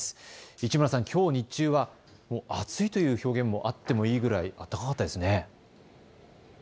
市村さん、きょう日中は暑いという表現もあってもいいくらい暖かかったですよね。